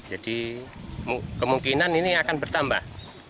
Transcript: jadi kemungkinan ini akan bertambah